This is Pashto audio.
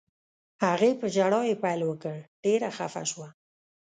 هغې په ژړا یې پیل وکړ، ډېره خفه شوه.